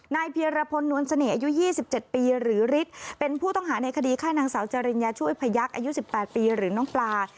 เพียรพลนวลเสน่ห์อายุ๒๗ปีหรือฤทธิ์เป็นผู้ต้องหาในคดีฆ่านางสาวจริญญาช่วยพยักษ์อายุ๑๘ปีหรือน้องปลา